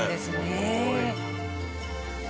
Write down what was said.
すごい。